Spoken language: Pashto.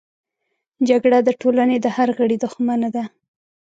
جګړه د ټولنې د هر غړي دښمنه ده